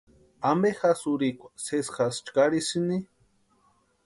¿Ampe jasï urhikwa sési jasï chkarisïni?